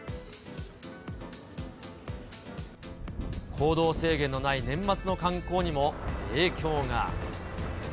行動制限のない年末の観光にも影響が。